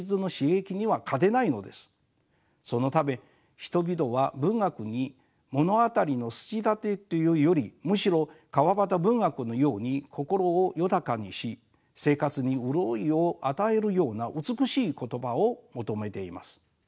そのため人々は文学に物語の筋立てというよりむしろ川端文学のように心を豊かにし生活に潤いを与えるような美しい言葉を求めています。